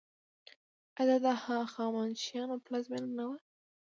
آیا دا د هخامنشیانو پلازمینه نه وه؟